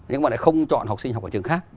nhưng mà lại không chọn học sinh học ở trường khác